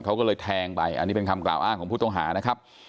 เขาก็เลยแทงไปอันนี้เป็นคำกล่าวอ้างของผู้ต้องหานะครับ